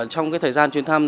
trong thời gian chuyến thăm